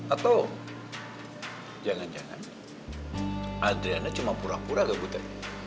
atau jangan jangan andrena cuma pura pura gabutin